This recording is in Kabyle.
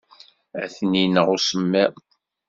Ad ten-ineɣ usemmiḍ.